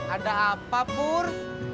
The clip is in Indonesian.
ada apa pur